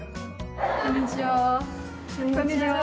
こんにちは。